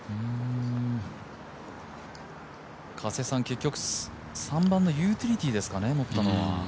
結局、３番のユーティリティーですかね、持ったのは？